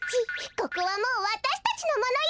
ここはもうわたしたちのものよ！